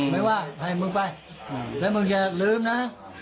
ไม่ว่าให้มึงไปแล้วมึงอย่าลืมนะ